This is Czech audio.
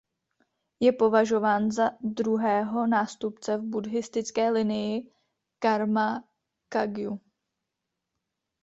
Je považován za druhého nástupce v buddhistické linii Karma Kagjü.